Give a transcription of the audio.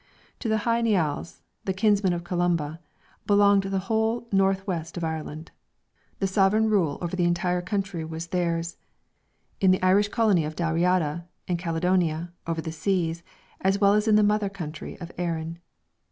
To the Hy Nialls, the kinsmen of Columba, belonged the whole north west of Ireland. The sovereign rule over the entire country was theirs, in the Irish colony of Dalriada in Caledonia over the seas, as well as in the mother country of Erin.